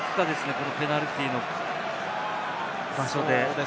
このペナルティーの場所で。